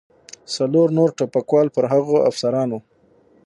څلور نور ټوپکوال پر هغو افسرانو.